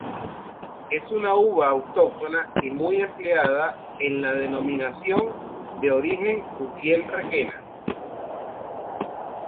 Es una uva autóctona y muy empleada en la Denominación de Origen Utiel-Requena.